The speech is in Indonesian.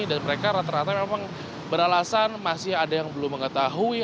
dan mereka rata rata memang beralasan masih ada yang belum mengetahui